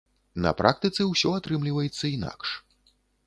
На практыцы ўсё атрымліваецца інакш.